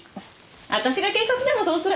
私が警察でもそうする。